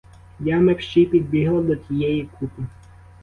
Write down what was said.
Я мерщій підбігла до тієї купи.